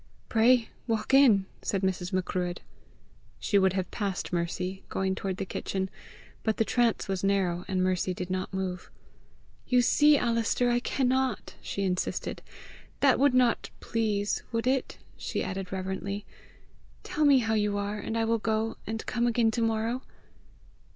"Pray walk in!" said Mrs. Macruadh. She would have passed Mercy, going toward the kitchen, but the TRANCE was narrow, and Mercy did not move. "You see, Alister, I cannot!" she insisted. "That would not please, would it?" she added reverently. "Tell me how you are, and I will go, and come again to morrow."